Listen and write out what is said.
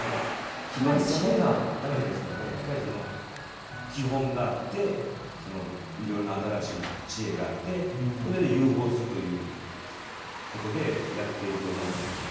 奇抜なだけではだめですので、基本があっていろんな新しい知恵があって融合するということでやっていると思います。